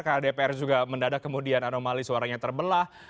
karena dpr juga mendadak kemudian anomali suaranya terbelah